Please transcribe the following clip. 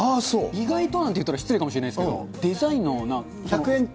意外となんて言ったら、失礼かもしれないんですけれども、デザインの。